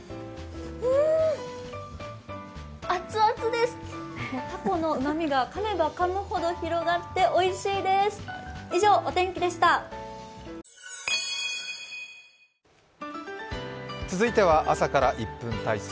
熱々です、たこのうまみが、かめばかむほど広がっておいしいです。